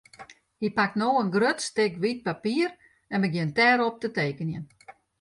Hy pakt no in grut stik wyt papier en begjint dêrop te tekenjen.